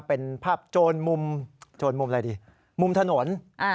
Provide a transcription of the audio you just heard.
เป็นภาพโจรมุมโจรมุมอะไรดีมุมถนน